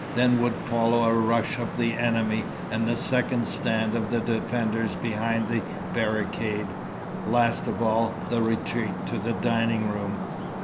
Then would follow a rush of the enemy and the second stand of the defenders behind the barricade. Last of all, the retreat to the dining room.